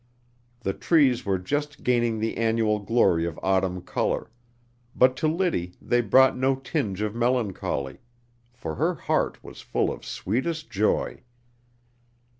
The trees were just gaining the annual glory of autumn color; but to Liddy they brought no tinge of melancholy, for her heart was full of sweetest joy.